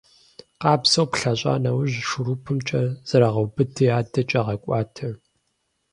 Къабзэу плъэщӀа нэужь, шурупымкӀэ зэрыгъэубыди, адэкӀэ гъэкӏуатэ.